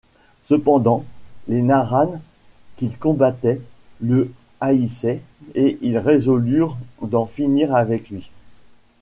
Cependant, les Marranes qu'il combattait le haïssaient et ils résolurent d'en finir avec lui.